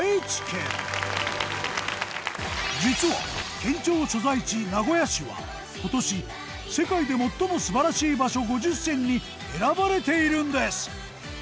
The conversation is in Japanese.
実は県庁所在地名古屋市は今年「世界で最もすばらしい場所５０選」に選ばれているんです。